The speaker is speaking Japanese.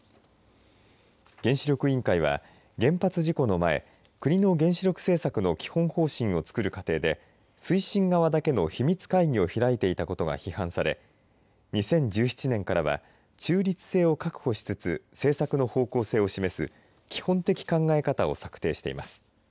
原子力委員会は原発事故の前、国の原子力政策の基本方針を作る過程で推進側だけの秘密会議を開いていたことが批判され２０１７年からは中立性を確保しつつ政策の方向性を示す基本的考え方を策定しています。